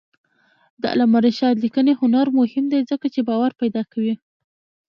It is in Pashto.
د علامه رشاد لیکنی هنر مهم دی ځکه چې باور پیدا کوي.